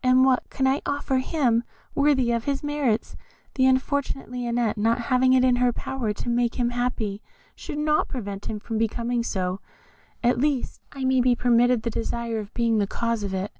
and what can I offer him worthy of his merits? The unfortunate Lionette not having it in her power to make him happy, should not prevent him from becoming so, at least I may be permitted the desire of being the cause of it."